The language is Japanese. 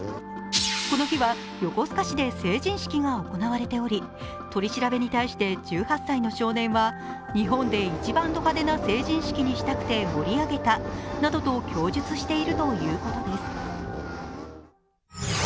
この日は横須賀市で成人式が行われており、取り調べに対して１８歳の少年は日本で一番ド派手な成人式にしたくて盛り上げたなどと供述しているということです。